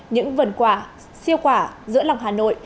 những vần quả siêu quả giữa lòng hà nội